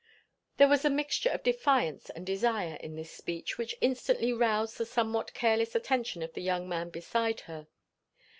There was a mixture of defiance and desire in this speech which instantly roused the somewhat careless attention of the young man beside her.